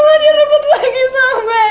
nino mau direbut lagi sama mandy